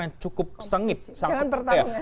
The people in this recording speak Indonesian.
yang cukup sengit jangan pertarungan